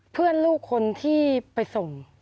เพื่อนลูกคนที่ไปส่ง